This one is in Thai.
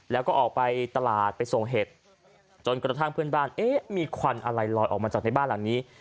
แล้วก็ออกไปตลาดไปส่งเห็ดจนกระทั่งเพื่อนบ้านเอ๊ะมีควันอะไรลอยออกมาจากในบ้านหลังนี้